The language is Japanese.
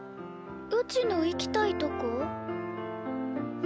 うちの行きたいとこ？